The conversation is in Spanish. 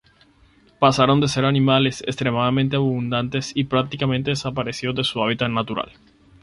Pasaron de ser animales extremadamente abundantes a prácticamente desaparecidos de su hábitat natural.